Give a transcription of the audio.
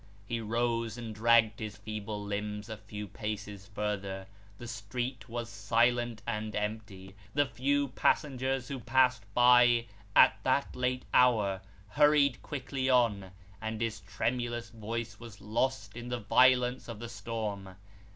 He rose, and dragged his feeble limbs a few paces further. The street was silent and empty ; the few passengers who passed by, at that late hour, hurried quickly on, and his tremulous voice was lost in the violence of the storm.